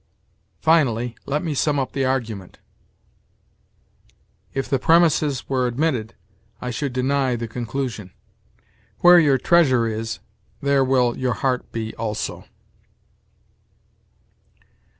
"Finally, let me sum up the argument." "If the premises were admitted, I should deny the conclusion." "Where your treasure is, there will your heart be also."